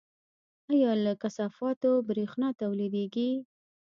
آیا له کثافاتو بریښنا تولیدیږي؟